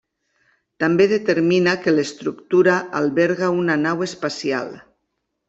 També determina que l'estructura alberga una nau espacial.